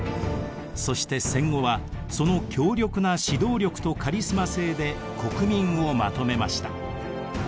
そして戦後はその強力な指導力とカリスマ性で国民をまとめました。